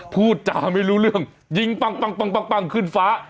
พูดจาไม่รู้เรื่องยิงปั้งขึ้นฟ้า